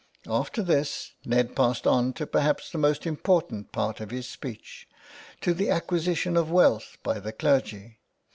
After this, Ned passed on to perhaps the most important part of his speech — to the acquisition of wealth by the clergy.